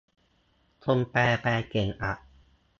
คนแปลแปลเก่งอะ